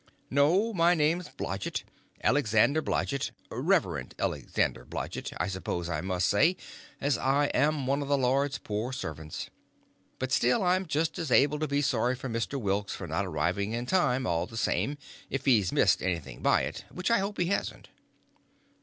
"No, my name's Blodgett—Elexander Blodgett—Reverend Elexander Blodgett, I s'pose I must say, as I'm one o' the Lord's poor servants. But still I'm jist as able to be sorry for Mr. Wilks for not arriving in time, all the same, if he's missed anything by it—which I hope he hasn't."